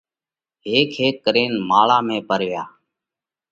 هيڪ هيڪ ڪرينَ ماۯا ۾ پروياه۔